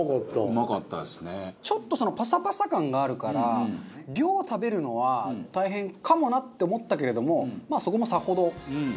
ちょっとそのパサパサ感があるから量食べるのは大変かもなって思ったけれどもまあそこもさほど。